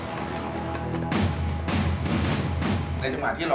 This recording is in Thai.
อันดับสุดท้ายแก่มือ